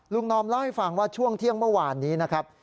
นอมเล่าให้ฟังว่าช่วงเที่ยงเมื่อวานนี้นะครับ